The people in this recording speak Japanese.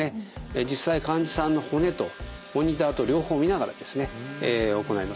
実際患者さんの骨とモニターと両方見ながらですね行います。